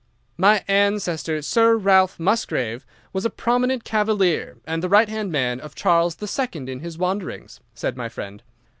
"'My ancestor, Sir Ralph Musgrave, was a prominent Cavalier and the right hand man of Charles the Second in his wanderings,' said my friend.